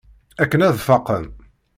Akken ad faqen.